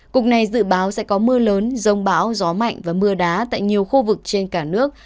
cục này dự báo sẽ có mưa lớn rông bão gió mạnh và mưa đá tại nhiều khu vực trên cả nước